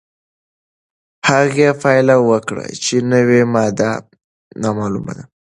هغې پایله وکړه چې نوې ماده نامعلومه ده.